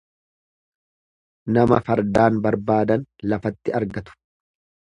Nama fardaan barbaadan lafatti argatu.